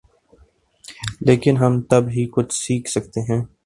لیکن ہم تب ہی کچھ سیکھ سکتے ہیں۔